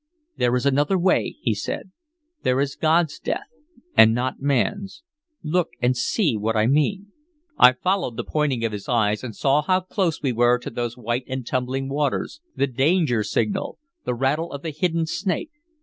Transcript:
"There is another way," he said. "There is God's death, and not man's. Look and see what I mean." I followed the pointing of his eyes, and saw how close we were to those white and tumbling waters, the danger signal, the rattle of the hidden snake.